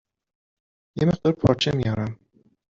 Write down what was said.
یه مقدار پارچه میارم